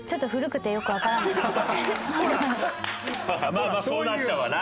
まあまあそうなっちゃうわな。